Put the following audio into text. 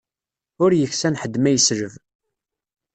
Ur yeksan ḥedd ma yesleb.